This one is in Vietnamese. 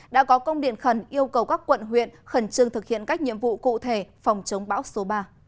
đã có công điện khẩn yêu cầu các quận huyện khẩn trương thực hiện các nhiệm vụ cụ thể phòng chống bão số ba